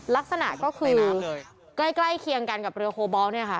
ลักษณะก็คือน้ำใกล้เคียงกันกับเรือโคบอลเนี่ยค่ะ